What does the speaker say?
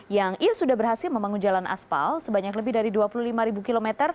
yang ia sudah berhasil membangun jalan aspal sebanyak lebih dari dua puluh lima km